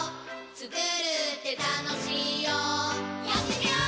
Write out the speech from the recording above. つくるってたのしいよやってみよー！